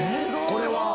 これは？